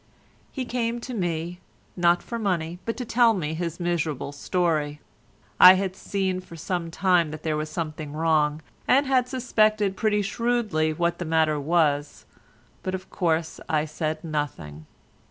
He came to me—not for money, but to tell me his miserable story. I had seen for some time that there was something wrong, and had suspected pretty shrewdly what the matter was, but of course I said nothing.